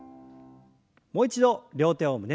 もう一度両手を胸の前に。